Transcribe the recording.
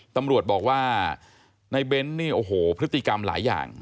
ตำรวจบอกว่าในเบ้นนี่โอ้โหพฤติกรรมหลายอย่าง